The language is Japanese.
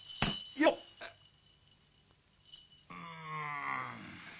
うん。